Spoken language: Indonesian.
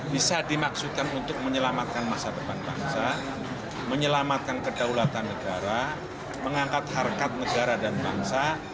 bisa dimaksudkan untuk menyelamatkan masa depan bangsa menyelamatkan kedaulatan negara mengangkat harkat negara dan bangsa